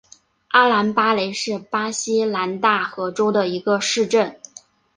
阿兰巴雷是巴西南大河州的一个市镇。